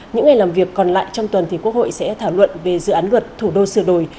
những ngày làm việc còn lại trong tuần thì quốc hội sẽ thảo luận về dự án luật thủ đô sửa đổi